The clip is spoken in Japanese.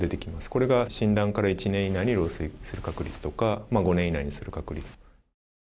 これが診断から１年以内に漏水する確率とか５年以内にする確率。